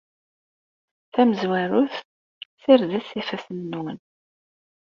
Tamezwarut, ssirdet ifassen-nwen.